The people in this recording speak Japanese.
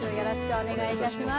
お願いいたします。